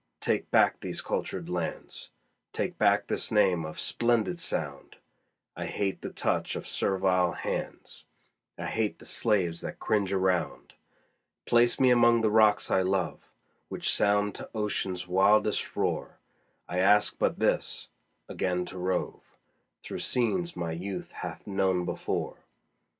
take back these cultured lands, Take back this name of splendid sound! I hate the touch of servile hands, I hate the slaves that cringe around. Place me among the rocks I love, Which sound to Ocean's wildest roar; I ask but this again to rove Through scenes my youth hath known before.